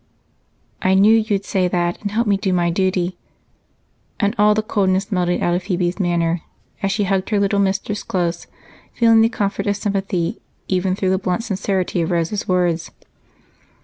"I knew you'd say that, and help me do my duty." And all the coldness melted out of Phebe's manner as she hugged her little mistress close, feeling the comfort of sympathy even through the blunt sincerity of Rose's words.